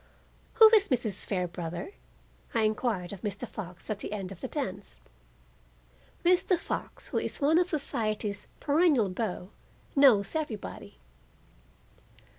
"Who is Mrs. Fairbrother?" I inquired of Mr. Fox at the end of the dance. Mr. Fox, who is one of society's perennial beaux, knows everybody.